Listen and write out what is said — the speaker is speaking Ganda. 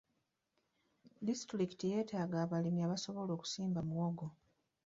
Disitulikiti yeetaaga abalimi abasobola okusimba mawogo.